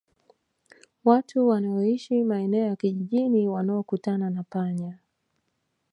Watu wanaoishi maeneo ya kijijini wanaokutana na panya